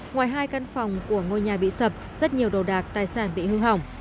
ngoài hai căn phòng của ngôi nhà bị sập rất nhiều đồ đạc tài sản bị hư hỏng